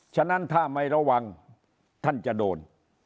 ฉะนั้นถ้าไม่ระวังท่านจะโดน